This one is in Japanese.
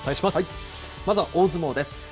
まずは大相撲です。